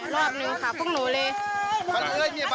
ตอนนี้ให้เห็นลูกแล้วดีใจไหม